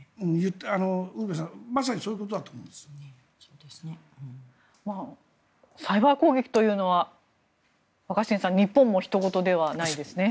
ウルヴェさんまさにそういうことだとサイバー攻撃というのは若新さん日本もひと事ではないですね。